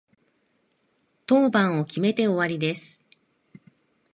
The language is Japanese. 当番を決めて終わりです。